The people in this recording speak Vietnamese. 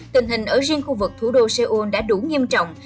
tình hình ở riêng khu vực thủ đô seoul đã đủ nghiêm trọng